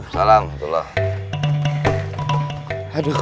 waalaikumsalam warahmatullahi wabarakatuh